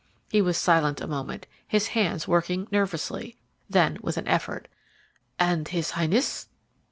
He was silent a moment, his hands working nervously. Then, with an effort: "And his Highness?"